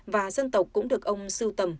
và dân tộc cũng được ông sưu tầm